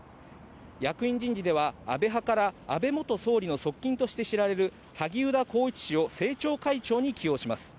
役員人事では安倍派から安倍元総理の側近として知られる萩生田光一氏を政調会長に起用します。